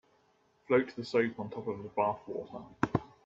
Float the soap on top of the bath water.